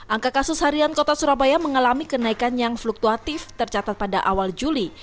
angka kasus harian kota surabaya mengalami kenaikan yang fluktuatif tercatat pada awal juli